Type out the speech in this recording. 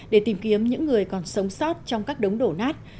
để tìm kiếm những người còn sống sót trong các đống đổ nát